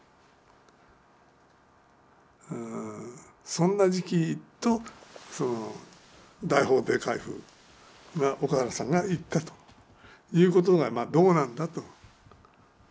そんな時期と大法廷回付が岡原さんが言ったということがまあどうなんだと。